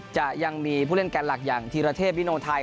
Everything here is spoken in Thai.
จะยังมีผู้เล่นแกนหลักอย่างธีรเทพวิโนไทย